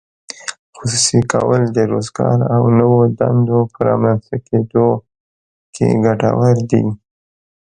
خصوصي کول د روزګار او نوو دندو په رامینځته کیدو کې ګټور دي.